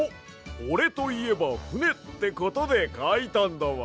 おれといえばふねってことでかいたんだわ。